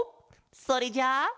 それじゃあ。